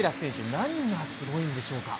何がすごいんでしょうか。